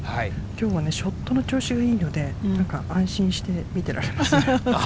きょうもね、ショットの調子がいいので、なんか安心して見てられますね。